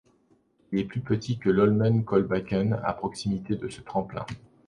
Il est plus petit que l'Holmenkollbakken à proximité de ce tremplin.